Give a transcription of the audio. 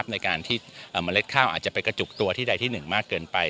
ในการที่เมล็ดข้าวอาจจะไปกระจุกตัวที่ใดที่หนึ่งมากเกินไป